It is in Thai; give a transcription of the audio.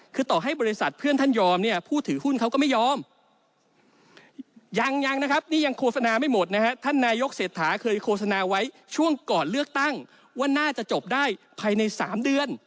คือต่อให้บริษัทเพื่อนท่านยอมเนี่ยผู้ถือหุ้นเขาก็ไม่ยอมยังนะครับนี่ยังโฆษณาไม่หมดนะฮะท่านนายกเศรษฐาเคยโฆษณาไว้ช่วงก่อนเลือกตั้งว่าน่าจะจบได้ภายใน๓เดือน